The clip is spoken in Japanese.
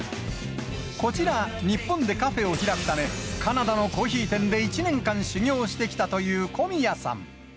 こちら、日本でカフェを開くため、カナダのコーヒー店で１年間修業してきたという小宮さん。